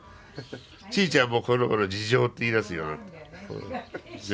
ちーちゃんもこのごろ「事情」って言いだすようになった。